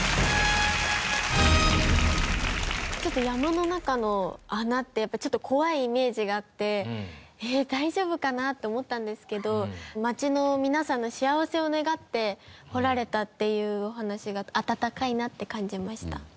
山の中の穴ってやっぱちょっと怖いイメージがあって「えっ大丈夫かな？」って思ったんですけど町の皆さんの幸せを願って掘られたっていうお話が温かいなって感じました。